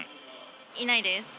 いないです。